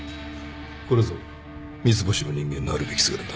これぞ三ツ星の人間のあるべき姿だ。